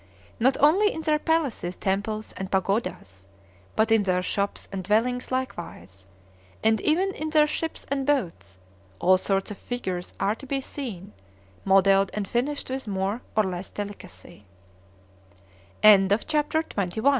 Not only in their palaces, temples, and pagodas, but in their shops and dwellings likewise, and even in their ships and boats, all sorts of figures are to be seen, modelled and finished with more or less d